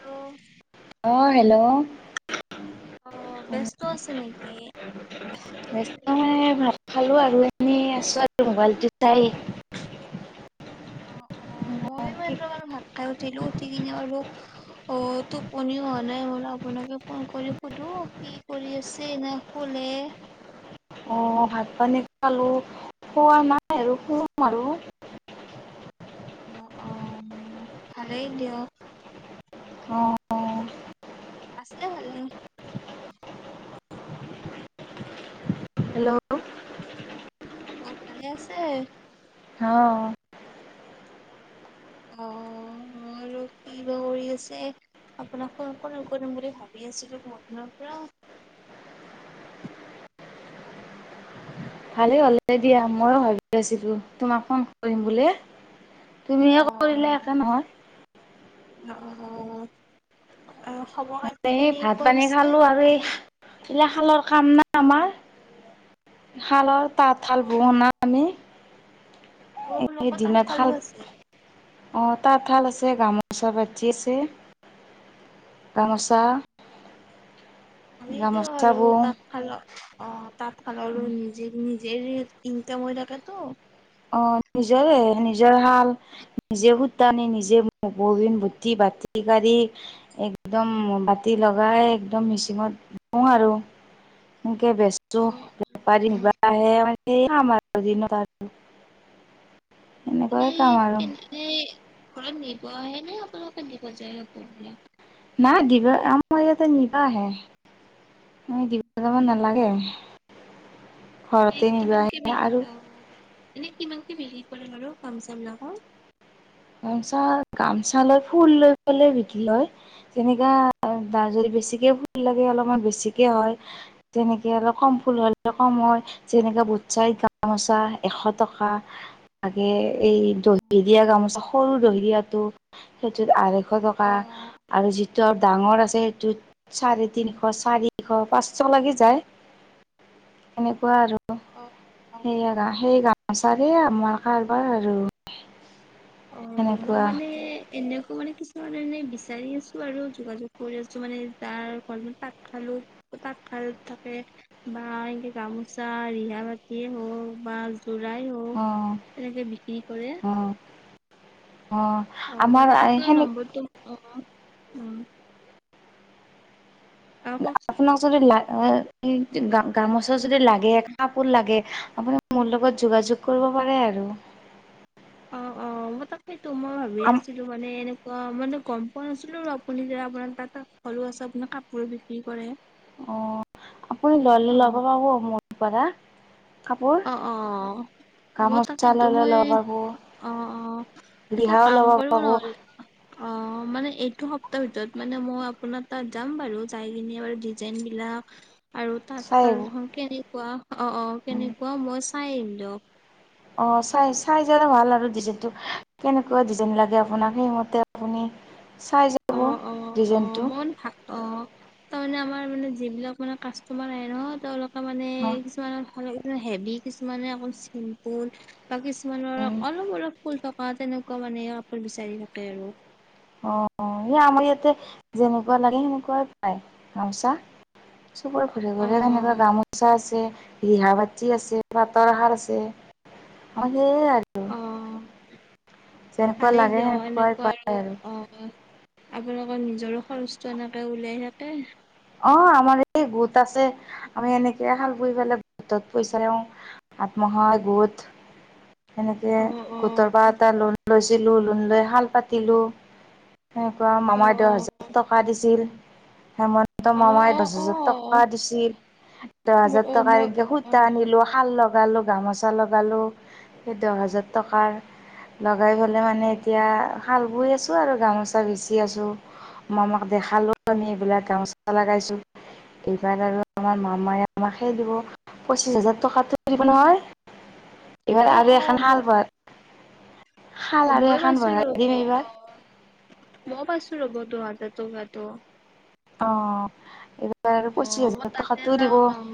ত। অ হেল্ল' অঁ ব্যস্ত আছে নে এই ব্যস্ত মানে ভাত খালো আৰু এনেই আছো আৰু মোবাইলটো চাই। অ, ময়ো কি [unintelligible] ভাত খাই উঠিলো উঠি কিনে আৰু অ' টোপনি হোৱা নাই বোলো আপোনাকে ফোন কৰি সোধোঁ, কি কৰি আছে নাই শুলে। অ' ভাত পানী খালো, শোৱা নাই আৰু শুম আৰু। অ'- অ' ভালেই দিয়ক। অঁ- অঁ। আছে ভালেই। হেল্ল' অ' ভালে আছে। অ'। অ' মই আৰু কি বা কৰি আছে আপোনাক ফোন কৰিম - কৰিম বুলি ভাবি আছিলো বহুতদিনৰ পৰা। ভালেই হ'ল দিয়া, ময়ো ভাবি আছিলো তোমাক ফোন কৰিম বুলি। তুমিয়ে অ কৰিলে একে নহয়। অ'। অ খবৰ খাতি এই ভাত কেনেকুৱা পানী পিছে? খালো আৰু এই তিলা খালো কাম নাই আমাৰ, শালৰ তাঁতশাল বহনা আমি। অঁ এই আপোনালোকৰ তাত দিনত শাল শালো আছে। অ' তাঁতশাল আছে, গামোচা বাতি আছে, গামোচা ভালেই দিয়ক গামোচা আৰু বওঁ তাঁতশালত, অ' তাঁতশালৰো নিজে নি যে ইনকাম হৈ থাকেটো। অ' নিজৰে, নিজৰ হাল নিজে সুতা নি নিজে ববিন বুতি-বাতি কাঢ়ি, একদম বাতি লগাই, একদম মিচিঙত [unintelligible] আৰু। অ বেচো অ বেপাৰী নিবা আহে [unintelligible] আমাৰ [unintelligible] [inaudible] [unintelligible] এনেকুৱাই কাম আৰু ঘৰত নিব আহে নে আপোনালোকে দিব যায় কাপোৰবিলাক। অঁ দিবা, আ মোৰ ইয়াতে নিবা আহে। মই দিব যাব নালাগে। ঘৰতে নিবা কিমান কে আহে দি আৰু অ', এনে কিমান কে বিকি কৰে বাৰু গামচা বিলাকৰ। গামোচা- গামোচা লৈ ফুল লৈ পেলে বিক্ৰী লয়, তেনেকা যদি বেছিকে ফুল লাগে অলপমান বেছিকে হয়, তেনেকে অলপ কম ফুল হলে কম হয়, যেনেকে বুটচাই গামোচা এশ টকা লাগে এই দহি দিয়া গামোচা দহি দিয়াটো, সেইটোত আঢ়ৈ শ টকা, অ আৰু যি য'ত ডাঙৰ আছে, সেইটোত চাৰে তিনিশ, চাৰিশ, পাঁচশ, লাগি যায়, এনেকুৱা আৰু। অ' অ সেয়াগা সেইয়া আচাৰেই আমাৰ কাৰবাৰ আৰু। অ', মই সেনেকুৱা মানে এনেকো মানে কিছুমান এনে বিচাৰি আছোঁ আৰু, যোগাযোগ কৰি আছোঁ, মানে যাৰ ঘৰত তাঁতশালো-তাঁতশাল থাকে বা এনেকে গামোচা ৰিহা বাতিয়ে হওঁক বা যোৰাই হওঁক, অ এনেকে বিক্ৰী কৰে অ অ', মানে আমাৰ এ, আপোনাৰ সেনেক নম্বৰটো অ উম অ কওকচোন আপোনাৰ ওচৰত যদি লাগ আ-এ, গা-গামোচা যদি লাগে, কাপোৰ লাগে, আপুনি মোৰ লগত যোগাযোগ কৰিব পাৰে আৰু। অ' অ', মই তাত কিন ত', মই ভাৱি আম আছিলোঁ মানে এনেক অ', মানে গম পোৱা নাছিলো আৰু আপুনি যে আপোনাৰ তাঁতশালো আছে, আপোনাৰ কাপোৰ বিক্ৰী কৰে। অ', আপুনি ললে অ ল'ব, [unintelligible] মোৰ পৰা। কাপোৰ অ', অ', মই গামোচা তাকেইটো ল'লে মই, ল'ব পাব অ', অ', এটা ৰিহাও কাম ল'ব কৰিব পাব নহল অ', মানে এইটো সপ্তাহৰ ভিতৰত মানে, মই আপোনাৰ তাত যাম বাৰু যাই কিনে বাৰু ডিজাইন বিলাক আৰু চাই তাঁতশালখন কেনেকুৱা, অ', অ', কেনে চাই আহিম দিয়ক। অ', চাই-চাই জালে ভাল আৰু ডিজাইনটো, কেনেকুৱা ডিজাইন লাগে আপোনাক সেইমতে আপুনি চাই যাব অ', অ', ডিজাইনটো অ', মন [unintelligible] তাৰমানে আমাৰ মানে যিবিলাক মানে কাষ্টমাৰ আহে ন', তেওঁলোক মানে কিছুমানত [unintelligible] হেভি কিছুমানে অকল চিম্পুল [unintelligible] কিছুমানৰ অলপ অলপ ফুল থক অ', তেনেকুৱা মানে আপোৰ বিচাৰি নাপাই আৰু। অ', অ', এ আমাৰ ইয়াতে যেনেকুৱা লাগে, সেনেকুৱাই পায় গামোচা। চবৰে ঘৰে অ ঘৰে অ তেনেকুৱা গামোচা আছে। ৰিহা বাতি আছে, পাটৰ আহাৰ আছে, সেইয়াই আৰু অ'। যেনেকুৱা ভালেই লাগে দিয় সেনেকুৱাই এনেকুৱা পায় আৰু অ', আপোনালোকৰ নিজৰো খৰচটো এনেকে ওলাই থাকে। অ', আমাৰ এই গোট আছে, আমি এনেকে শাল বহি পেলাই গোটত পইচা লওঁ, আত্মসহায় গোট এনেকে অ অ গোটৰ পৰা এটা লোন লৈছিলোঁ, লোন লৈ শাল পাতিলোঁ। সেনেকুৱা অ মামাই দহ হাজাৰ টকা দিছিল। হেম অ মামাই দচ অ হাজাৰ টকা দিছিল, দহ হাজাৰ অ টকা মই একে অ সুতা আনিলোঁ, শাল লগালোঁ গামোচা লগালোঁ, সেই দহ হাজাৰ টকাৰ লগাই পেলাই মানে এতিয়া শাল বৈ আছোঁ আৰু গামোচা বিচি আছোঁ, মামাক দেখালোঁ আনি এইবিলাক গামো [unintelligible] এইবাৰ আৰু আমাৰ মামাই আমাকহে দিব, পঁচিছ হাজাৰ টকাটো দিব নহয়। এইবাৰ অ আৰু অ এখন ম শাল [unintelligible] শাল আৰু মই এখন পাইছো ৰ'ব ভৰাই দিম অ এইবাৰ মই পাইছোঁ ৰ'ব দহ হাজাৰ টকাটো। অ' এইবাৰ আৰু পঁচিছ অ', মই হাজাৰ তাতে টকাটো দিব অ',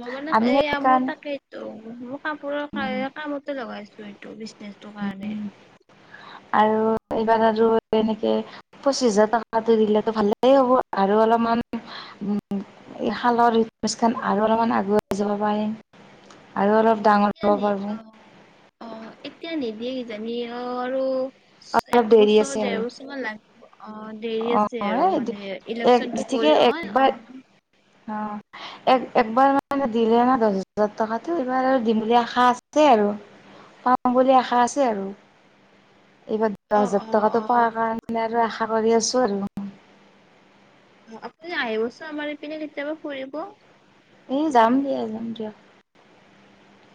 মই মানে আমি এইয়া মোৰ সেইকাৰণ তাকেইতো [unintelligible] কাপোৰৰ এই কামতে লগাই [unintelligible] বিজনেচটোৰ কাৰণে। আৰু এইবাৰ আৰু এনেকে পঁচিশ হাজাৰ টকাটো দিলেতো ভালেই হ'ব আৰু অলপমান উম, শালৰ [unintelligible] আৰু অলপমান আগুৱাই যাব পাৰিম আৰু অলপ ডাঙৰ হ'ব এতিয়ানে পাৰোঁ অ' অ' এতিয়া নে? কিইজানি অ' আৰু অলপ এক দেৰি বছৰ আছে ডেৰ আৰু বছৰ মান লাগ [unintelligible] অ' দেৰি অ আছে আৰু মানে এই ইলেকচনটো ঠিকে গ'ল নহয় একবাৰ অ'। অ' এক-একবাৰ মানে দিলে না দহ হাজাৰ টকাতটো এইবাৰ আৰু দিম বুলি আশা আছে আৰু, পাম বুলি আশা আছে আৰু। এইবাৰ অ দহ হাজাৰ অ অ টকাতটো অ পাৰ কাৰণে আৰু আশা কৰি আছোঁ আৰু। আপুনি আহিবচোন আমাৰ ইপিনে কেতিয়াবা ফুৰিব। এ যাম দিয়া যাম দিয়।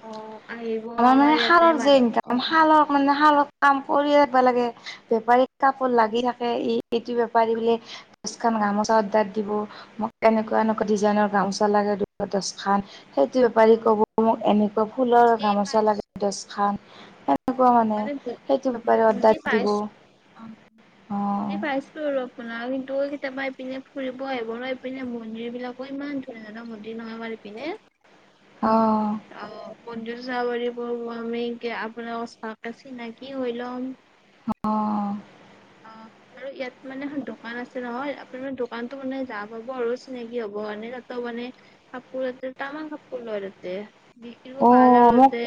অ'। আহিব আমাৰ মানে ইয়াতে শালৰ যে মানুহ অ ইনকাম শালৰ মানে শালত কাম কৰিয়ে বে লাগে বেপাৰী কাপোৰ লাগি থাকে ই এইটো বেপাৰী বোলে দচখান গামোচা অদাৰ দিব মোক এনেকুৱা এনেকুৱা ডিজাইনৰ গামোচা লাগে দচ খান সেইটো বেপাৰী কব মোক এনেকুৱা ফুল বুজি গামোচা লাগে দচখান। মানেজি বেপাৰী অৰ্ডাৰ বুজি অ' দিব অ জি পাইছোঁ আৰু আপোনা কিন্তু কেতিয়াবা এইপিনে ফুৰিব আহিব ন' এইপিনে মন্দিৰ বিলাকো ইমান ধুনীয়া ধুনীয়া মন্দিৰ নহয় আমাৰ এইপিনে। অ' অ পণ্ডয জা পৰিব [unintelligible] কে আপোনা অস্থা চিনাকি হৈ ল'ম। অ অ', আৰু ইয়াত মানে এখন দোকান আছে নহয়, আপোনাৰ মানে দোকানতো মানে যা, পাব আৰু চিনাকি হ'ব কাৰণে তাতো মানে কাপোৰ তাতে তামাম কাপোৰ লয় তাতে অ বিকিও ভাল আৰু মোক তাতে।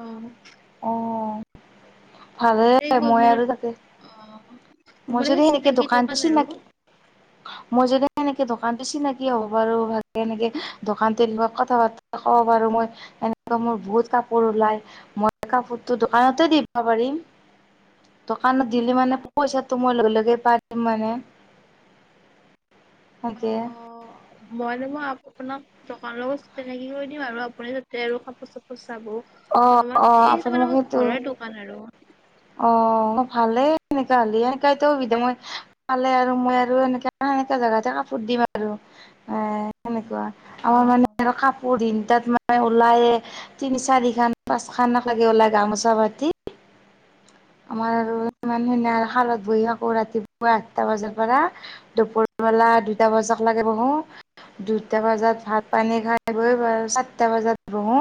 অ'। অ' ভালে সেইবোৰ মই মোৰ মোৰ আৰু তাতে অ মই মোৰ সেই যদি সেনেকে চিনাকি দোকানটো দোকান আৰু চিনাকি মই যদি সেনেকে দোকানটো চিনাকি হ'ব পাৰোঁ, ভালে এনেকে দোকানতে [unintelligible] কথা পাতি দেখাব পাৰো মই এনেক মোৰ বহুত কাপোৰ ওলাই মই কাপোৰটো দোকানতে দিব পাৰিম দো কানত দিলি মানে পইচাতো মই লগে, লগে পাই যাম মানে অ তাকে অ মই ন, মই আপোনাক দোকান লগত চিনাকি কৰি কৰি দিম আৰু আপুনি তাতে আৰু কাপোৰ চাপোৰ চাব অ আমাৰ, অ এইটো আপুনি মানে মোক সেইটো ঘৰৰ দোকান আৰু। অ ভালে এনেকা হ'লে সেনেকাটো সুবিধা মই পালে আৰু মই আৰু এনেকা সেনেকা জোগাতে কাপোৰ দিম আৰু এ, সেনেকুৱা আমাৰ অ মানে কাপোৰ [unintelligible] তাত মানে ওলায়ে তিনি, চাৰি খান-খান লাগে ওলাই গামোচা পাতি আমাৰ আৰু অ', ইমান [unintelligible] শালত বহি থাকো ৰাতিপুৱা আঠটা বজাৰ পৰা, দুপৰবেলা দুটা বজাৰ লৈকে বহো, দুটা বজাত ভাত পানী খাই বৈ বা, চাতটা বজাত বহো,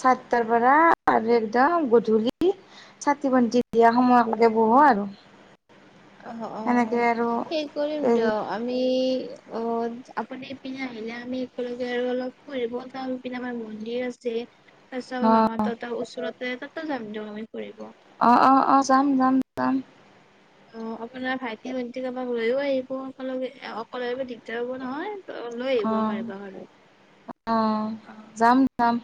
চাতটাৰ পৰা আৰু একদম গধূলি চাকি বন্তি দিয়া সময়লৈকে বহো আৰু। অ', এনেকে অ' আৰু সেই কৰিম হেৰি দিয়ক আমি অ আপুনি ইপিনে আহিলে আমি একেলগে আৰু অলপ ফুৰিব যাওঁ। এইপিনে আমাৰ মন্দিৰ আছে। তাৰ পিছত আমাৰ অ মামাহতৰ ওচৰত ত 'ত সমজোমি অ- অ- অ যাম- যাম -যাম অ আপোনাৰ ভাইটি ভটি কাৰোবাক লৈয়ও আহিব অকল অকলেব দিগদাৰ হ'ব নহয় ত' লৈ আহিব অ কাৰোবাক আৰু। আহ যাম, যাম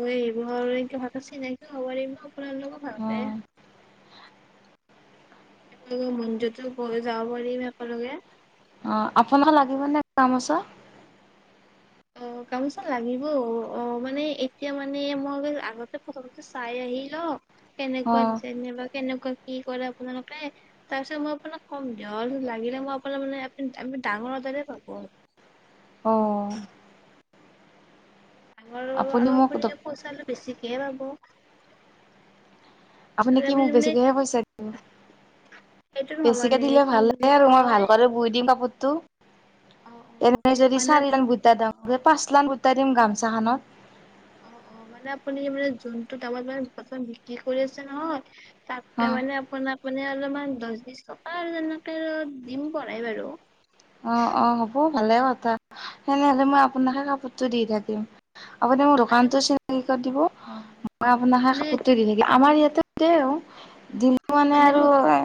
মইক ভাতাছি নাইক হবাৰ আকলাৰ লগোকো ভাল অ পায় েলগে ম যো যাবাৰিম একেলগে অ আপোনাৰ লাগিব নে কাম আছ অ গামচোন লাগিব অ মানে এতিয়া মানে মই আগতে প্ৰথমতে চাই আহি ল অ কেনেকুৱা যেন বাা কেনেকুৱা কি কৰে আপোনালোকে তাৰপিছত মই আপোনাক কম দিয় লাগিলে মই আপোনাৰ মানে আপু আ ডাঙৰ এটাতে পাব অঁ ডাঙৰ আৰু মোক আপুনিয়া পইচা বেছিক [unintelligible] আপুনি কি মোক বেছিকৈহে পইচা দিব সেইটো ভবা বেছিকে নাই দিলে কি ভালে বুলি আৰু মই কয় ভালক বৈ দিম কাপুৰটো ত অ অ এনে যদি মানে চাৰি আপুনি লান ভুটা দা অ পাঁচ লান ভুটা দিম গা জাহানত অ 'অ মানে আপুনি মানে যোনটো দামত মানে বিক্ৰী কৰি আছে নহয় অ তাকে মানে আপোনাৰ মে অলপমান দহ বিশ টকা আৰু তেনেকে দিম কৰাই বাৰু অ অ হ'ব ভালে কথা সেনেহলে মই আপোনাকে কাপোৰটো দি থাকিম আপুনি মোৰ মানে দোকানতো মোক চেল কৰি দিব অ মই আপোনাকেই মানে কাপোৰটো দি থোকি আমাৰ অ', ইয়াতে দেই দিল্লী মানে আৰু এ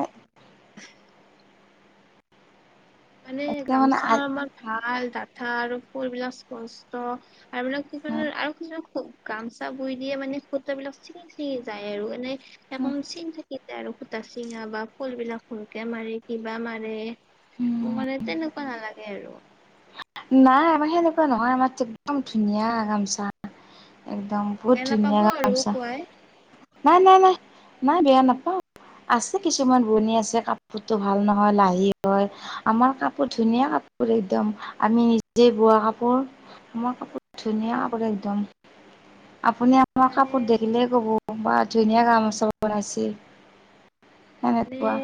মানে এতিয়া মানে গামোচা আমাৰ ভাল ডাঠা আৰু কুলবিলাক স্পষ্ট আৰু মানে কিছু আৰু কিছুমান গামচা বুই দিয়ে মানে সূত বিলাক চিঙি চিঙি যায় আৰু এনে এখন চিন থাকি যায় আৰু সূতা চিঙা বা ফুল বিলাক ভূলকে মাৰে কিবা মাৰে মানে তেনেকুৱা নালাগে আৰু নাই আমাৰ সেনেকুৱা নহয় আমাৰো একদম ধুনীয়া গামচা একদম বহুত বেয়া ধুনীয়া নাপাব আৰু গামচা খুৱাই নাই নাই নাই নাই বেয়া নাপাও আছে কিছুমান বনি আছে কাপোৰটো ভাল নহয় লাহি হয় আমাৰ কাপোৰ ধুনীয়া কাপোৰ একদম আমি নিজে বোৱা কাপোৰ মই কাপোৰ ধুনিয়া আকৌ একদম আপুনি আমাৰ মানে কাপোৰ দেখিলেই ক'ব কবা ধুনীয়া গামোচা বনাইছে মানে সেনেকুৱা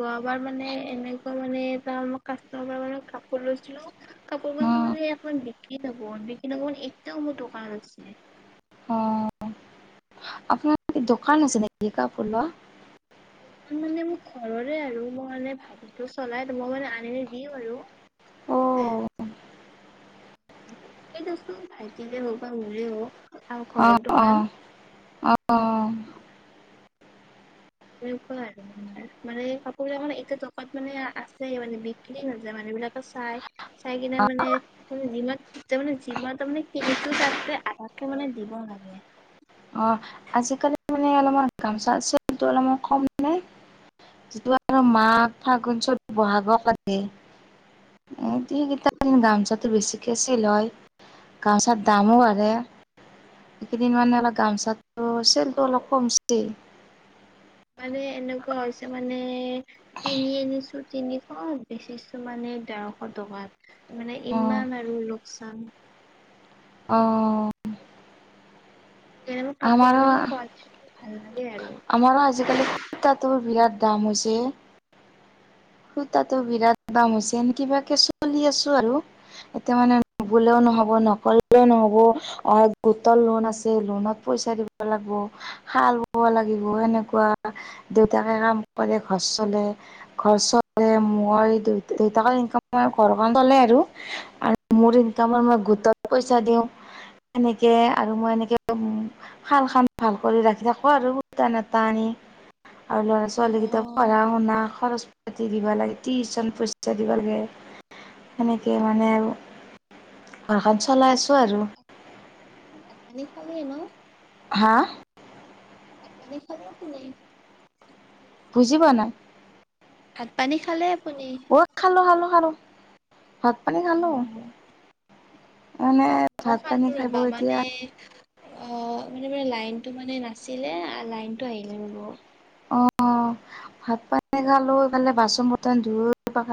যোৱাবাৰ মানে এনেকুৱা মানে ত মানে কাচটমাৰ পৰা মানে কাপোৰ‌ লৈছিলো কাপোৰখন উম [unintelligible] কি কাপোৰ বিক্ৰী নগল [unintelligible] অ আপোনাৰ দোকান আছে নেকি কাপোৰ লোৱা মানে মোৰ ঘৰৰে আৰু মই মানে ভাইতিটো চলাই মই মানে আনি নি দিওঁ আৰু অ এইটোচোন ভাইটীৰে হবা মৰে হক অ অহ অহ এনেকুৱা আৰু আমাৰ মানে কাপোৰ বিলাক মানে এতিয়া টকাত মানে আছে মানে বিক্ৰী নাযায় মানে এইবিলাকে চাই চাই কিনে অ মানে যিমান যিমান তাৰমানে কিনিছো তাত আধাতকে মানে দিব লাগে অ আজিকালি মানে অলপমান গামচা চেলটো অলপমান কমে যিটো আৰু মাঘ ফাগুন চব বহাগৰে [unintelligible] ডান্সত বেছিকে চেলয়, গামচাৰ দামো বাৰে, এইকেইদিন মানে [unintelligible] তো' চেলটো অলপ কমছে মানে এনেকুৱা হৈছে মানে কিনি আনিছোঁ তিনিশ, বেচিছো মানে ডেৰশ টকাত। মানে অ ইমান আৰু ল চাম অ' [unintelligible] কাপোৰ আমাৰো মানে কোৱালিটিটো ভাল লাগে আৰু। আমাৰো আজিকালি সূতাটোৰ বিৰাট দাম হৈছে, সূতাটো বিৰাট দাম হৈছে এনে কিবাকে চলি আছোঁ আৰু এতিয়া মানে নবলেয়ো নহ'ব, অ', নকৰিলেওঁ নহ'ব অ', গোটৰ লোন আছে, লোনত পইচা দিব লাগব, শাল বব লাগিব সেনেকুৱা, দেউতাকে কাম কৰে, ঘৰ চলে, ঘৰ চলে মই দেউতা, দেউতাকৰ ইনকাম ঘৰখন চলে আৰু, আৰু মোৰ ইনকামত মই গোটত পইচা দিওঁ সেনেকে আৰু মই এনেকে শাল খান ভাল কৰি ৰাখি থাকোঁ আৰু সূতা [unintelligible] টানি আৰু ল'ৰা, অ', ছোৱালী কেইটা অ'। পঢ়া শুনা খৰচ পাতি দিব লাগে, টিউচন পইচা দিব লাগে, সেনেকে মানে আৰু ঘৰখন চ চলাই আছোঁ আৰু। খালি ন'? হা? ভাত পানী খালেই তুমি বুজি পাৱা নাই। ভাত পানী খালে আপুনি? অ', খালোঁ, খালোঁ, খালোঁ। ভাত পানী খালোঁ। অ'। মানে মই ভাত পানী খালো খাই ৰবা বৈ মানে এতিয়া অ', মানে মানে লাইনটো মানে নাছিলে, লাইন টো আহিলে ৰ'ব। অ', ভাত পানী খালোঁ ইফালে বাচন-বৰ্তন ধুই পাখ